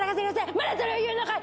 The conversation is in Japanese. まだこれを言うのかい。